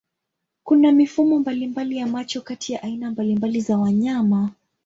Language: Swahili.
Kuna mifumo mbalimbali ya macho kati ya aina mbalimbali za wanyama.